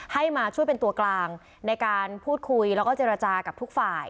ให้มาช่วยเป็นตัวกลางในการพูดคุยแล้วก็เจรจากับทุกฝ่าย